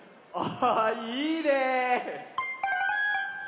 あいいね！